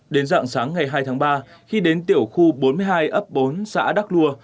đến dặng sáng ngày hai tháng ba khi đến tiểu khu bốn mươi hai ấp bốn xã đắc lua